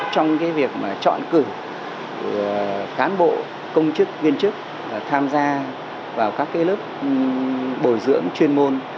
trong việc chọn cử cán bộ công chức viên chức tham gia vào các lớp bồi dưỡng chuyên môn